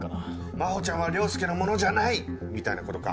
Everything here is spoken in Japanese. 「真帆ちゃんは凌介のものじゃない」みたいなことか？